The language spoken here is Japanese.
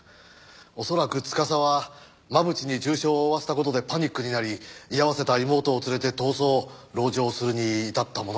恐らく司は真渕に重傷を負わせた事でパニックになり居合わせた妹を連れて逃走籠城するに至ったものかと。